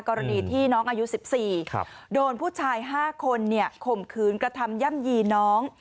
กรณีที่น้องอายุ๑๔โดนผู้ชาย๕คนข่มขืนกระทำย่ำยีน้อง